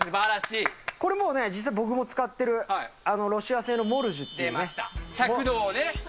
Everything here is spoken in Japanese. これもうね、実は僕も使ってるロシア製のモルジュっていうね。